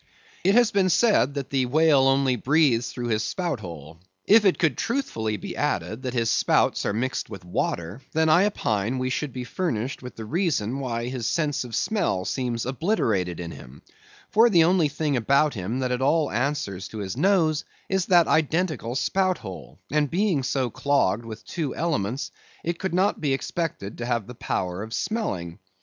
It has been said that the whale only breathes through his spout hole; if it could truthfully be added that his spouts are mixed with water, then I opine we should be furnished with the reason why his sense of smell seems obliterated in him; for the only thing about him that at all answers to his nose is that identical spout hole; and being so clogged with two elements, it could not be expected to have the power of smelling.